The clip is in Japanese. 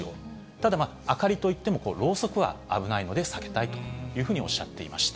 ただ明かりといっても、ろうそくは危ないので避けたいというふうにおっしゃっていました。